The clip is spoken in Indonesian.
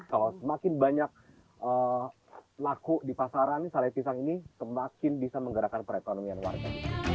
kalau semakin banyak laku di pasaran sale pisang ini semakin bisa menggerakkan perekonomian warga